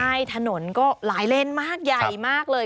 ใช่ถนนก็หลายเลนมากใหญ่มากเลย